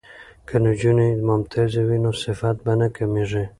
که نجونې ممتازې وي نو صفت به نه کمیږي.